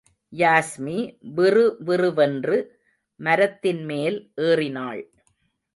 யாஸ்மி விறுவிறுவென்று மரத்தின் மேல் ஏறினாள்.